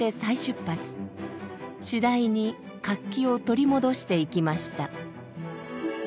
次第に活気を取り戻していきました。